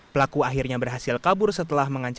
pelaku akhirnya berhasil kabur setelah mengancam